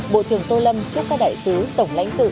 bộ trưởng tô lâm chúc các đại sứ tổng lãnh sự